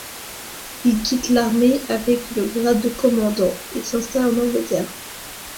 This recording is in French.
Il quitte l'armée avec le grade de commandant, et s'installe en Angleterre.